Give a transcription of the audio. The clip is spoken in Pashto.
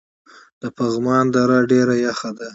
د پغمان دره ډیره یخه ده